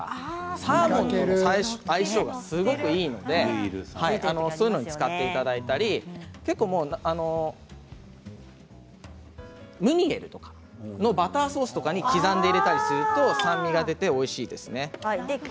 サーモンとの相性がいいのでそういうのに使っていただいたりムニエルとかのバターソースとかに刻んで入れたりすると酸味が出ておいしいですね。